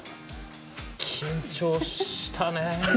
緊張したね。